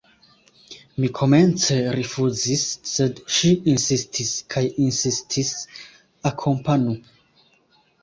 Mi komence rifuzis, sed ŝi insistis kaj insistis: Akompanu!